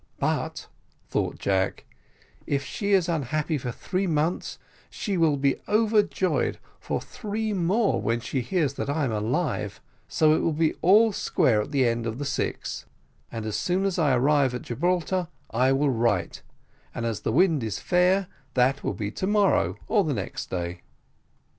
"But," thought Jack, "if she is unhappy for three months, she will be overjoyed for three more when she hears that I am alive, so it will be all square at the end of the six; and as soon as I arrive at Gibraltar I will write, and, as the wind is fair, that will be to morrow or next day."